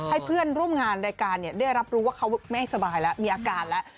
ให้เพื่อนร่วมงานรายการได้รับรู้ว่าเขาไม่สบายแล้วมีอาการแล้ว